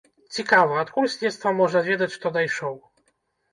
Цікава, адкуль следства можа ведаць, што дайшоў?